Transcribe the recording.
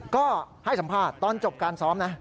ก็ให้สัมภาษณ์ตอนจบการซ้อมนะ